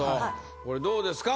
これどうですか？